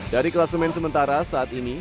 dari kelas main sementara saat ini